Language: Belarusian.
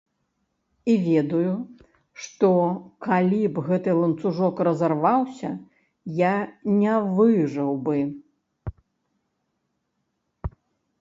І ведаю, што, калі б гэты ланцужок разарваўся, я не выжыў бы.